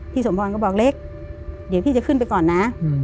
สมพรก็บอกเล็กเดี๋ยวพี่จะขึ้นไปก่อนนะ